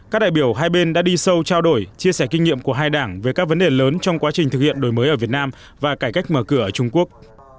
các đại biểu hai bên đã đi sâu trao đổi chia sẻ kinh nghiệm của hai đảng về các vấn đề lớn trong quá trình thực hiện đổi mới ở việt nam và cải cách mở cửa ở trung quốc